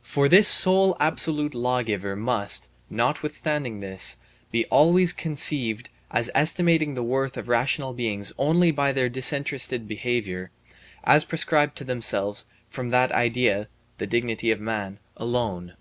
For this sole absolute lawgiver must, notwithstanding this, be always conceived as estimating the worth of rational beings only by their disinterested behaviour, as prescribed to themselves from that idea [the dignity of man] alone.